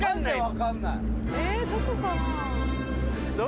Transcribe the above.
えどこかな？